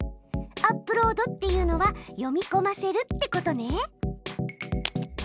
「アップロード」っていうのは「読みこませる」ってことね。